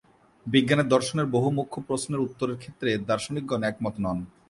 বিজ্ঞানের দর্শনের বহু মুখ্য প্রশ্নের উত্তরের ক্ষেত্রে দার্শনিকগণ একমত নন।